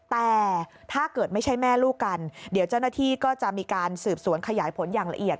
แต่ถ้าเกิดไม่ใช่แม่ลูกกันเดี๋ยวเจ้าหน้าที่ก็จะมีการสืบสวนขยายผลอย่างละเอียด